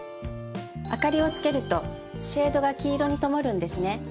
明かりをつけるとシェードが黄色に灯るんですね。